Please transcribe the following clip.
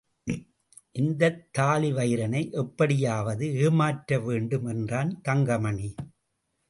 இந்தத் தாழிவயிறனை எப்படியாவது ஏமாற்ற வேண்டும் என்றான் தங்கமணி.